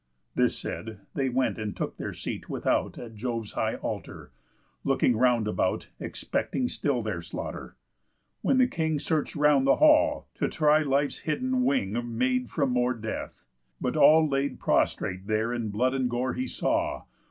This said, they went and took their seat without At Jove's high altar, looking round about, Expecting still their slaughter. When the King Search'd round the hall, to try life's hidden wing Made from more death. But all laid prostrate there In blood and gore he saw.